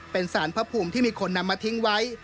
เป็นสารพระภูมิที่มีคนนำมาทิ้งไว้